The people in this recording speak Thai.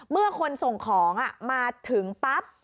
เมื่อคนส่งของมาถึงปั๊บ